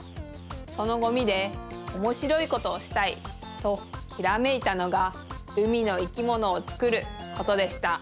そのゴミでおもしろいことをしたいとひらめいたのがうみのいきものをつくることでした。